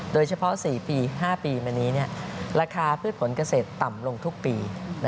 โดยเฉพาะ๔๕ปีมานี้ราคาพืชผลเกษตรต่ำลงทุกปี